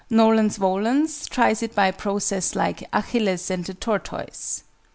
NOLENS VOLENS tries it by a process like "Achilles and the Tortoise."